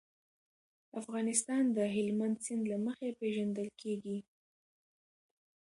افغانستان د هلمند سیند له مخې پېژندل کېږي.